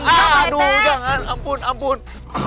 aduh jangan ampun ampun